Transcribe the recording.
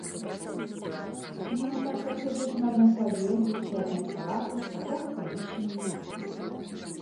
Ну а так, каб сядзець на адной траве, есці адныя салаты, такога, канешне, няма.